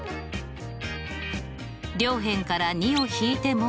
両辺から２を引いても。